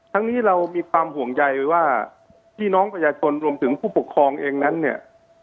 นี้เรามีความห่วงใยว่าพี่น้องประชาชนรวมถึงผู้ปกครองเองนั้นเนี่ย